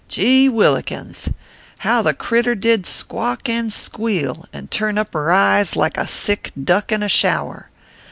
Geewhillikins ! how the critter did squawk and squeal, and turn up her eyes like a sick duck in a shower.